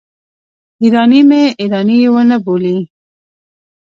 ایراني مې ایراني ونه بولي.